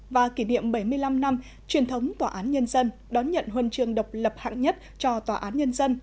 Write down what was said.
và kỷ niệm bảy mươi năm năm truyền thống tòa án nhân dân đón nhận huân trường độc lập hạng nhất cho tòa án nhân dân